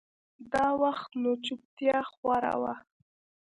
دا وخت نو چوپتيا خوره وه.